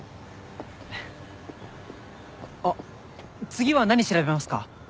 あっ次は何調べますか？